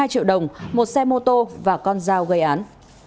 hai triệu đồng một xe mô tô và con dao gây án